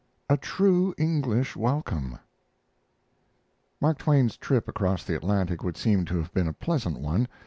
A TRUE ENGLISH WELCOME Mark Twain's trip across the Atlantic would seem to have been a pleasant one.